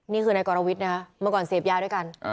นี่คือในก็ราวิทย์นะมาก่อนเซฟยาด้วยกัน